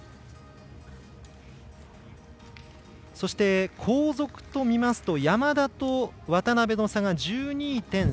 そして、後続と見ますと山田と渡部の差が１２．３３３。